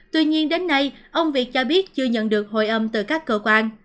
tuy nhiên đến nay ông việt cho biết chưa nhận được hồi âm từ các cơ quan